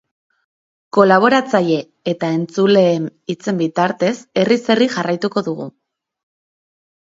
Kolaboratzaile eta entzuleen hitzen bitartez herriz-herri jarraituko dugu.